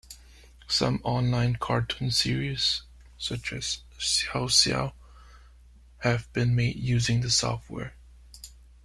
Some online cartoon series, such as "Xiao Xiao", have been made using the software.